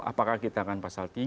apakah kita akan pasal tiga